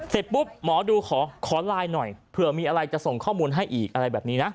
เสร็จปุ๊บหมอดูขอไลน์หน่อยเผื่อมีอะไรจะส่งข้อมูลให้อีกอะไรแบบนี้นะ